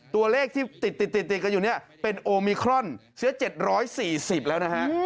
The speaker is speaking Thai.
ตัวเลขที่ติดกันอยู่เนี่ยเป็นโอมิครอนเชื้อ๗๔๐แล้วนะฮะ